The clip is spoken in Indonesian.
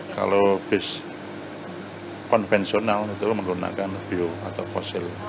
kalau bis konvensional itu menggunakan bio atau fosil